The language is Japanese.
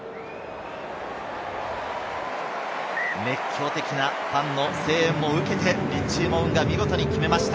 熱狂的なファンの声援を受けて、リッチー・モウンガ、見事に決めました。